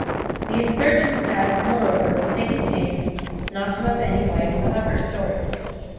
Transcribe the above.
The insurgents had, moreover, taken pains not to have any light in the upper stories.